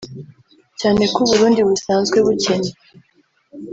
Cyane ko u Burundi busanzwe bukennye